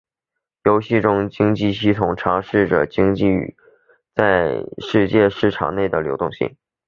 游戏中的经济系统尝试着资源在世界市场内的流动性。